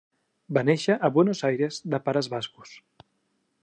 Va néixer a Buenos Aires de pares bascos.